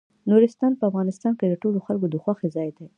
نورستان په افغانستان کې د ټولو خلکو د خوښې ځای دی.